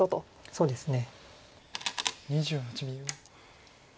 そうですね。